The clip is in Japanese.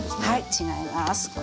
はい違います。